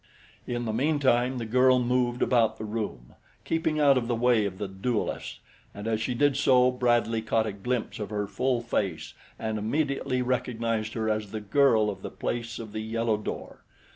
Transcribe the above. In the meantime the girl moved about the room, keeping out of the way of the duelists, and as she did so, Bradley caught a glimpse of her full face and immediately recognized her as the girl of the place of the yellow door.